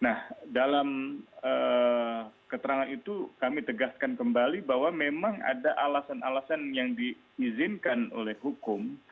nah dalam keterangan itu kami tegaskan kembali bahwa memang ada alasan alasan yang diizinkan oleh hukum